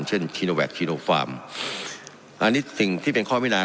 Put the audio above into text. คีโนแวคซีโนฟาร์มอันนี้สิ่งที่เป็นข้อพินา